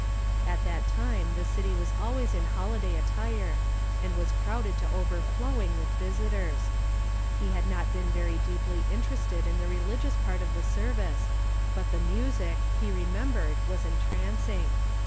At that time the city was always in holiday at tire, and was crowded to overllowing with visitors. He had not been very deeply interested in the reli gious part of the service, but the music, he remem bered, was entrancing.